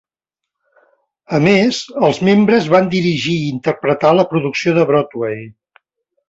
A més, els membres van dirigir i interpretar la producció de Broadway.